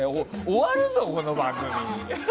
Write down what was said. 終わるぞ、この番組。